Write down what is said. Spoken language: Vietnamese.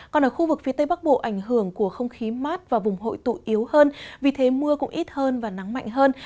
còn ở khu vực phía tây bắc bộ ảnh hưởng của không khí mát và vùng hội tụ yếu hơn vì thế mưa cũng ít hơn và nắng mạnh hơn